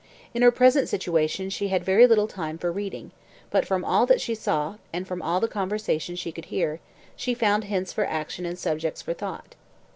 In her present situation she had very little time for reading; but, from all that she saw, and from all the conversation she could hear, she found hints for action and subjects for thought.